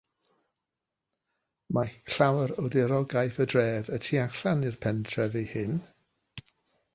Mae llawer o diriogaeth y dref y tu allan i'r pentrefi hyn.